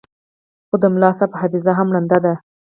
خو د ملاصاحب حافظه هم ړنده ده.